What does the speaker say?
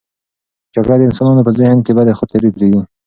جګړه د انسانانو په ذهن کې بدې خاطرې پرېږدي.